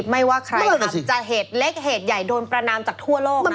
ไม่ว่าใครอาจจะเหตุเล็กเหตุใหญ่โดนประนามจากทั่วโลก